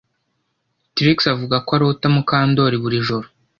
Trix avuga ko arota Mukandoli buri joro